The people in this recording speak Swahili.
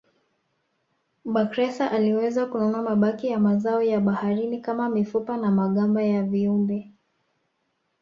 Bakhresa aliweza kununua mabaki ya mazao ya baharini kama mifupa na magamba ya viumbe